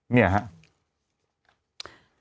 นี่ครับ